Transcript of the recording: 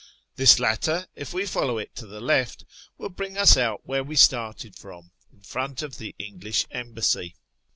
This latter, if we follow it to the left, will bring us out where we started from, in front of the English Embassy.